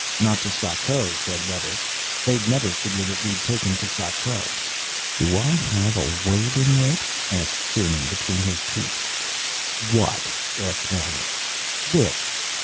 "Not to Sako," said Webber. "They'd never figure that we'd take him to Sako." "Do I have a word in this?" asked Kieran, between his teeth. "What?" asked Vaillant. "This.